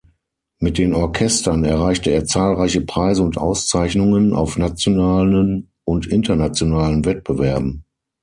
Mit den Orchestern erreichte er zahlreiche Preise und Auszeichnungen auf nationalen und internationalen Wettbewerben.